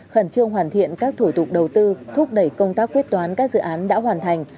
khẩn trương hoàn thiện các thủ tục đầu tư thúc đẩy công tác quyết toán các dự án đã hoàn thành